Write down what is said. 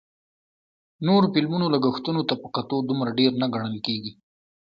نورو فلمونو لګښتونو ته په کتو دومره ډېر نه ګڼل کېږي